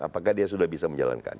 apakah dia sudah bisa menjalankan